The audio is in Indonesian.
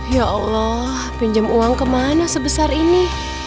ya allah pinjam uang kemana sebesar ini